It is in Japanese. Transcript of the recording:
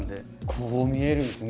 こう見えるんですね